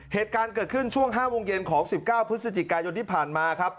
เหตุการณ์เกิดขึ้นช่วง๕โมงเย็นของ๑๙พฤศจิกายนที่ผ่านมาครับ